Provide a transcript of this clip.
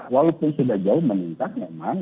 walaupun sudah jauh meningkat memang